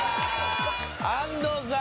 安藤さん